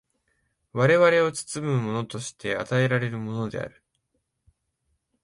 我々を包むものとして与えられるのである。